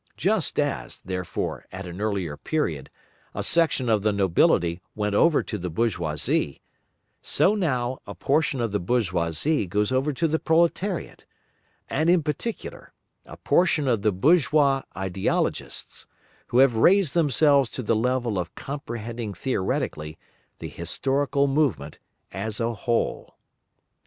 Just as, therefore, at an earlier period, a section of the nobility went over to the bourgeoisie, so now a portion of the bourgeoisie goes over to the proletariat, and in particular, a portion of the bourgeois ideologists, who have raised themselves to the level of comprehending theoretically the historical movement as a whole.